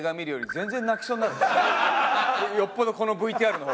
よっぽどこのＶＴＲの方が。